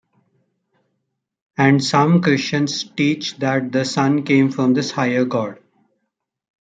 And some Christians teach that the Son came from this higher god.